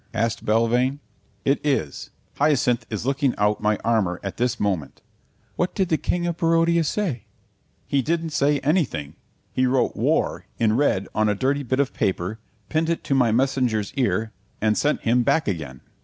asked Belvane. "It is. Hyacinth is looking out my armour at this moment." "What did the King of Barodia say?" "He didn't say anything. He wrote 'W A R' in red on a dirty bit of paper, pinned it to my messenger's ear, and sent him back again."